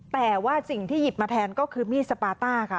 แต่ว่าสิ่งที่หยิบมาแทนก็คือมีดสปาต้าค่ะ